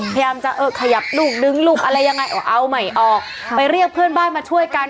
พยายามจะเออขยับลูกนึงลูกอะไรยังไงก็เอาใหม่ออกไปเรียกเพื่อนบ้านมาช่วยกัน